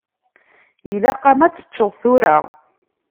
Ilaq-am ad teččeḍ tura.